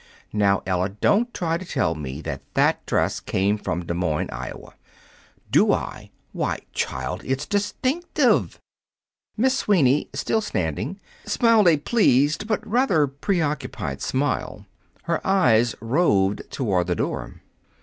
Now, Ella, don't try to tell me that THAT dress came from Des Moines, Iowa! Do I! Why, child, it's distinctive!" Miss Sweeney, still standing, smiled a pleased but rather preoccupied smile. Her eyes roved toward the door.